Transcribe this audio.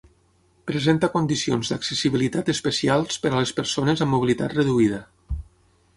Presenta condicions d'accessibilitat especials per a les persones amb mobilitat reduïda.